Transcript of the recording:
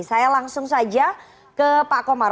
saya langsung saja ke pak komar